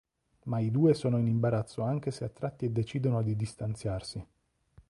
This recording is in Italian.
Ma i due sono in imbarazzo anche se attratti e decidono di distanziarsi.